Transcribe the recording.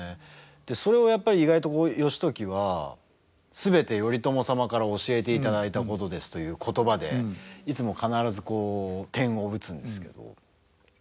それをやっぱり意外と義時は全て頼朝様から教えていただいたことですという言葉でいつも必ずこう点を打つんですけど。